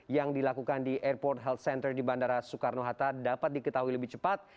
yang dilakukan di airport health center di bandara soekarno hatta dapat diketahui lebih cepat